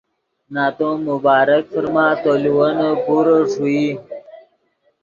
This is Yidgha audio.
نتو مبارک فرما تو لیوینے پورے ݰوئی